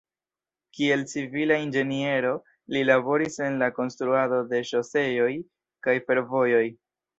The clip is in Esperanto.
Kiel civila inĝeniero li laboris en la konstruado de ŝoseoj kaj fervojoj.